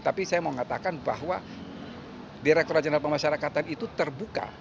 tapi saya mau katakan bahwa direktur rajendera pemasyarakatan itu terbuka